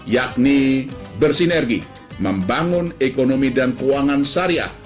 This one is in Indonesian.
yakni bersinergi membangun ekonomi dan keuangan syariah